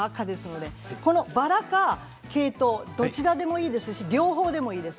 バラとケイトウどちらでもいいですし両方でもいいです。